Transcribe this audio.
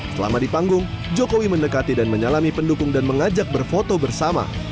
selama di panggung jokowi mendekati dan menyalami pendukung dan mengajak berfoto bersama